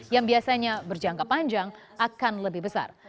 yang biasanya berjangka panjang akan lebih besar